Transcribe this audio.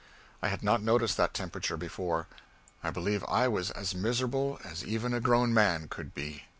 I had not noticed that temperature before. I believe I was as miserable as even a grown man could be.